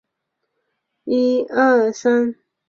叙伊兹河畔维利耶尔。